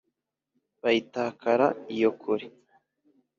biyitakara iyo kure